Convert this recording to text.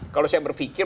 kalau saya berpikir